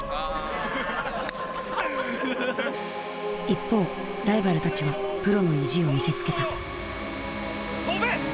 一方ライバルたちはプロの意地を見せつけた跳べ！